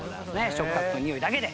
触覚とにおいだけで。